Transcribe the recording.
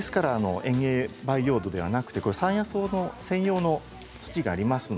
園芸用培養土ではなくて山野草専用の土があります。